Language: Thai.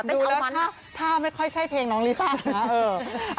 ดูแล้วถ้าไม่ค่อยใช่เพลงน้องลิซ่านะ